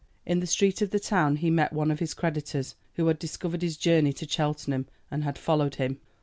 In the street of the town he met one of his creditors, who had discovered his journey to Cheltenham, and had followed him.